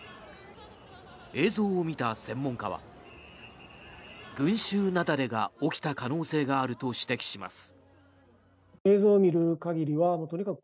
映像を見た専門家は群集雪崩が起きた可能性があると指摘します。